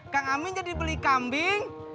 kang amin jadi beli kambing